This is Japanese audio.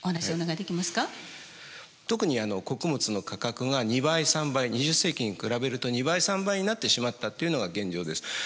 特に穀物の価格が２倍３倍２０世紀に比べると２倍３倍になってしまったというのが現状です。